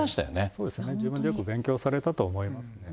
そうですね、自分でよく勉強されたと思いますね。